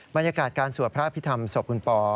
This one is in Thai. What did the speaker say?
บรรยากาศการสวดพระอภิษฐรรมศพคุณปอ